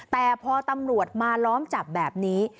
แต่พอตำรวจมาล้อมจับแบบนี้